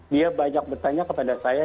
dia banyak bertanya kepada saya